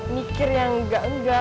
mikir yang enggak enggak